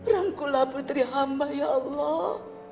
rangkulah putri hamba ya allah